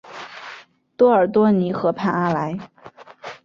多尔多尼河畔阿莱。